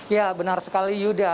ya benar sekali yuda